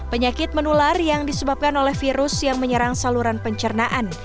penyakit menular yang disebabkan oleh virus yang menyerang saluran pencernaan